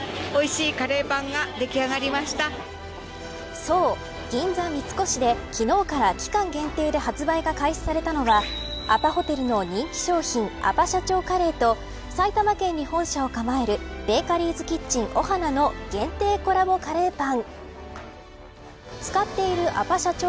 そう、銀座三越で昨日から期間限定で発売が開始されたのはアパホテルの人気商品アパ社長カレーと埼玉県に本社を構えるベーカリーズキッチン、オハナの限定コラボカレーパン。